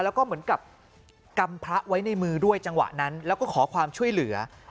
แล้วก็เหมือนกับกำพระไว้ในมือด้วยจังหวะนั้นแล้วก็ขอความช่วยเหลือ